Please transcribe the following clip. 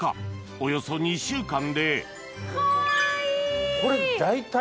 およそ２週間でかわいい！